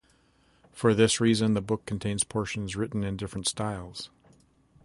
For this reason, the book contains portions written in different styles.